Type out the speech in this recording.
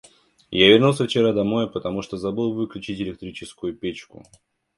Я вернулся вчера домой, потому что забыл выключить электрическую печку.